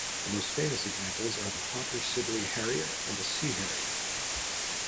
The most famous examples are the Hawker Siddeley Harrier and the Sea Harrier.